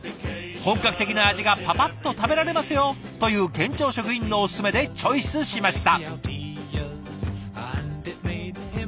本格的な味がパパッと食べられますよ！という県庁職員のおすすめでチョイスしました。